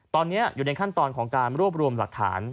ตอนนี้อยู่ในขั้นตอนของการรวบรวมหลักฐาน